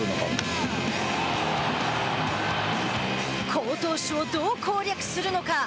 好投手をどう攻略するのか。